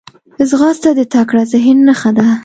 ځغاسته د تکړه ذهن نښه ده